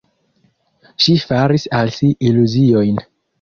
Ŝi faris al si iluziojn.